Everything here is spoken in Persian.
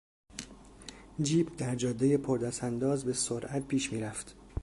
جیپ در جادهی پر دستانداز به سرعت پیش میرفت.